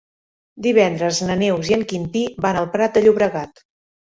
Divendres na Neus i en Quintí van al Prat de Llobregat.